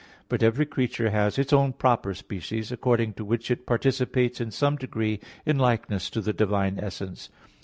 But every creature has its own proper species, according to which it participates in some degree in likeness to the divine essence.